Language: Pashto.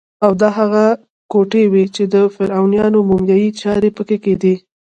او دا هغه کوټې وې چې د فرعونیانو مومیایي چارې پکې کېدې.